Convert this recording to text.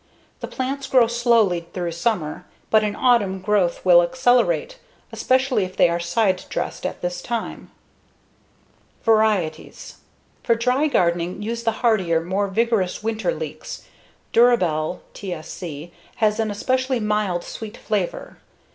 The plants grow slowly through summer, but in autumn growth will accelerate, especially if they are side dressed at this time. Varieties: For dry gardening use the hardier, more vigorous winter leeks. Durabel (TSC) has an especially mild, sweet flavor.